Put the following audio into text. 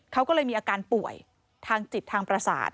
เขาก็เลยมีอาการป่วยทางจิตทางประสาท